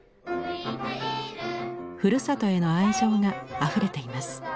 ふるさとへの愛情があふれています。